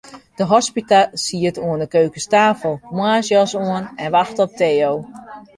De hospita siet oan 'e keukenstafel, moarnsjas oan, en wachte op Theo.